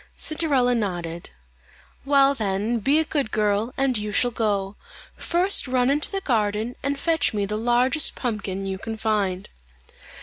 Cinderella nodded. "Well, then, be a good girl, and you shall go. First run into the garden and fetch me the largest pumpkin you can find."